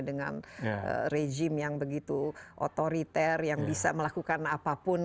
dengan rejim yang begitu otoriter yang bisa melakukan apapun